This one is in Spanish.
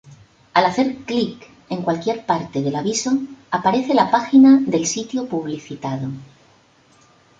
Al hacer clic en cualquier parte del aviso aparece la página del sitio publicitado.